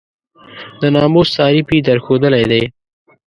د ناموس تعریف یې درښودلی دی.